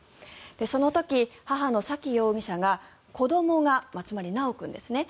その時、母の沙喜容疑者が子どもが、つまり修君ですね